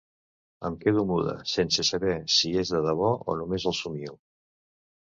Em quedo muda, sense saber si hi és de debò o només el somio.